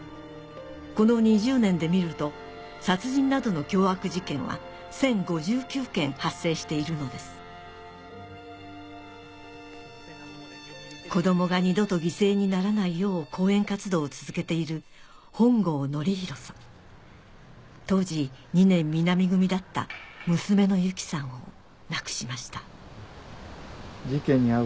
この２０年で見ると殺人などの凶悪事件は１０５９件発生しているのです子どもが二度と犠牲にならないよう講演活動を続けている当時２年南組だった娘の優希さんを亡くしました事件に遭う